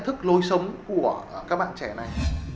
trong lối sống của các bạn trẻ này